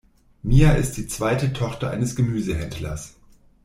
Mia ist die zweite Tochter eines Gemüsehändlers.